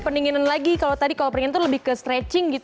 pendinginan lagi kalau tadi kalau peninginan tuh lebih ke stretching gitu ya